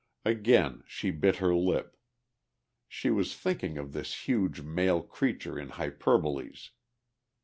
Again she bit her lip; she was thinking of this huge male creature in hyperboles.